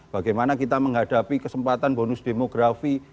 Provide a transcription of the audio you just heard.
bagaimana kita menghadapi kesempatan bonus demografi